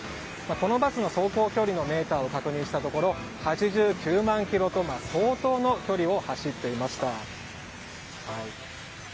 このバスの走行距離のメーターを確認したところ８９万ｋｍと相当の距離を走っていました。